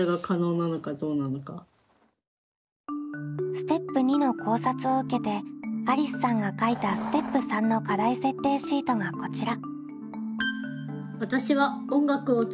ステップ②の考察を受けてありすさんが書いたステップ③の課題設定シートがこちら。